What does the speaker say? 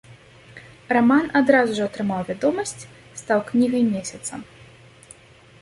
Раман адразу ж атрымаў вядомасць, стаў кнігай месяца.